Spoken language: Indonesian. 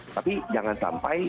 tapi jangan sampai